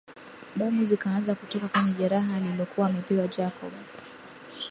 Damu zikaanza kutoka kwenye jeraha alilokua amepewa Jacob